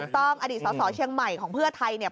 อดีตสสเชียงใหม่ของเพื่อไทยเนี่ย